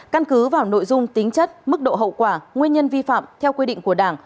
căn cứ vào nội dung tính chất mức độ hậu quả nguyên nhân vi phạm theo quy định của đảng